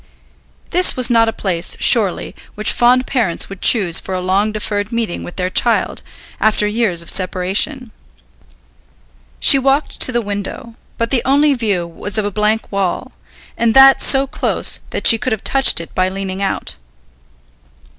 This was not a place, surely, which fond parents would choose for a long deferred meeting with their child, after years of separation. She walked to the window, but the only view was of a blank wall, and that so close that she could have touched it by leaning out.